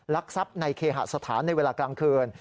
ลักทรัพย์ในเคหสถานในเวลากลางคืน